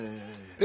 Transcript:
え？